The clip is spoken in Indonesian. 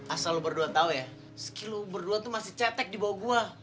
asal lo berdua tau ya skill lo berdua tuh masih cetek di bawah gue